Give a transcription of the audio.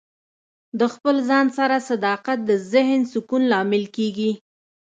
د خپل ځان سره صداقت د ذهن سکون لامل کیږي.